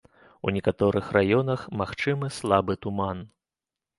У некаторых раёнах магчымы слабы туман.